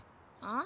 ん？